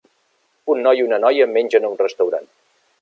Un noi i una noia mengen a un restaurant.